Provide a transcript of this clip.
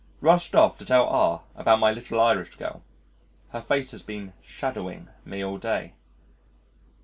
Rushed off to tell R about my little Irish girl. Her face has been "shadowing" me all day.